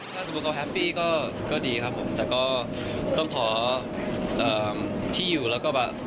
ถ้าสมมุติเขาแฮปปี้ก็ดีครับผมแต่ก็ต้องขอที่อยู่แล้วก็แบบ